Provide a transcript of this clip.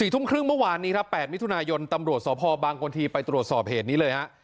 ๔ทุ่มครึ่งเมื่อวานนี้ครับ๘มิถุนายนตำรวจสพบางกลทีไปตรวจสอบเหตุนี้เลยฮะ